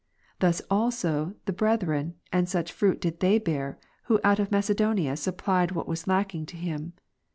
Thus did also the brethren, and ' such fruit did they bear, who out of Macedonia supplied what tvas lacking to him.